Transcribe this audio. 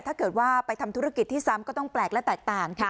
ถ้าเกิดว่าไปทำธุรกิจที่ซ้ำก็ต้องแปลกและแตกต่างค่ะ